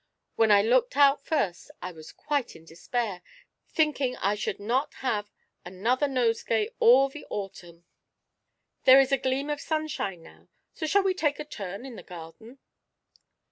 When I looked out first, I was quite in despair, thinking I should not have another nosegay all the autumn. There is a gleam of sunshine now, so shall we take a turn in the garden?"